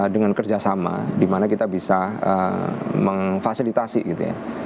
dengan kerjasama di mana kita bisa memfasilitasi gitu ya